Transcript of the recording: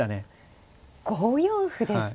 ５四歩ですか。